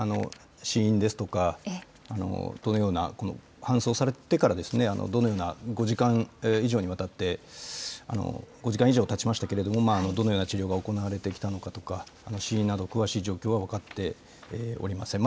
死因ですとか、搬送されてからどのような、５時間以上たちましたけれども、どのような治療が行われてきたのかとか、死因など詳しい状況は分かっておりません。